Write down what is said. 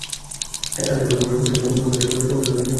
এর আদি বাসভূমি ভূমধ্যসাগরীয় অঞ্চলের দেশগুলোতে।